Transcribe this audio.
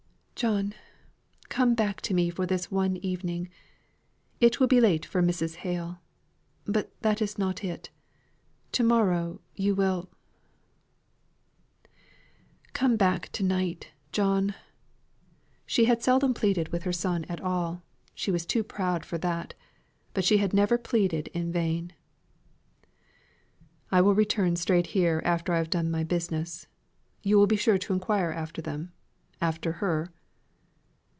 "John, come back to me for this one evening. It will be late for Mrs. Hale. But that is not it. To morrow, you will Come back to night, John!" She had seldom pleaded with her son at all she was too proud for that; but she had never pleaded in vain. "I will return straight here after I have done my business. You will be sure to enquire after them? after her?"